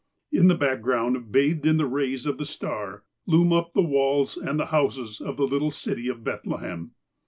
In the background, bathed in the rays of the star, loom up the walls and the houses of the little city of Bethlehem.